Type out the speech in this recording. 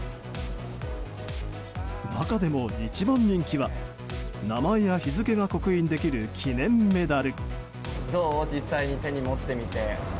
中でも一番人気は名前や日付が刻印できる記念メダル。